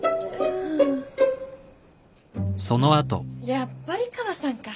やっぱり川さんか。